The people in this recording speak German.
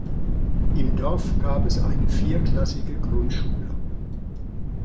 Im Dorf gab es eine vierklassige Grundschule.